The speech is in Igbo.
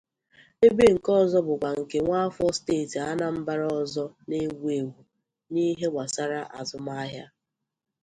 ebe nke ọzọ bụkwa nke nwaafọ steeti Anambra ọzọ na-ewu èwù n'ihe gbasaara azụmahịa